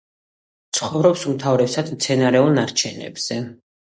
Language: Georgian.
ცხოვრობს უმთავრესად მცენარეულ ნარჩენებზე.